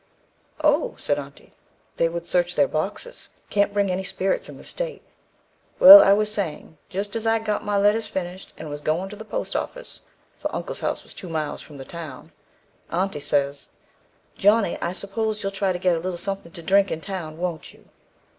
'Oh,' said aunty, 'they would search their boxes; can't bring any spirits in the state.' Well, as I was saying, jist as I got my letters finished, and was going to the post office (for uncle's house was two miles from the town), aunty says, 'Johnny, I s'pose you'll try to get a little somethin' to drink in town won't you?'